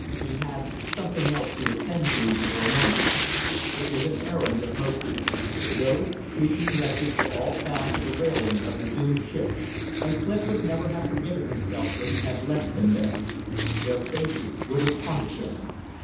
He had something else to attend to for a moment. It was an errand of mercy. Those shrieking wretches were all bound to the railing of the doomed ship, and Clif would never have forgiven himself if he had left them there. Their faces would have haunted him.